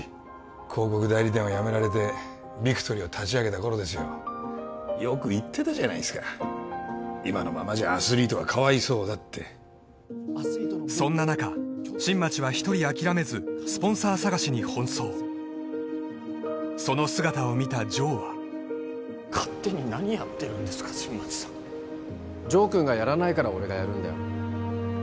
広告代理店を辞められてビクトリーを立ち上げた頃ですよよく言ってたじゃないですか今のままじゃアスリートがかわいそうだってそんな中新町は１人諦めずスポンサー探しに奔走その姿を見た城は勝手に何やってるんですか新町さん城君がやらないから俺がやるんだよ